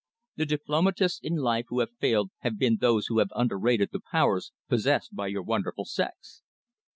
The diplomatists in life who have failed have been those who have underrated the powers possessed by your wonderful sex."